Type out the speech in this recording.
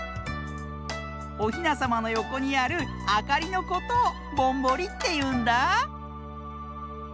おひなさまのよこにあるあかりのことをぼんぼりっていうんだ。